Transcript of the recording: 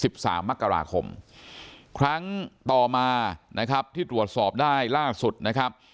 สามมกราคมครั้งต่อมานะครับที่ตรวจสอบได้ล่าสุดนะครับ